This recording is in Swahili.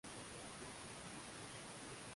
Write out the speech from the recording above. Rais wa Tanzania ana wizara tatu ambazo zinajulikana